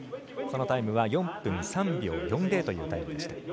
そのタイムは４分３秒４０というタイムでした。